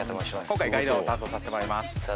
今回ガイドを担当させてもらいます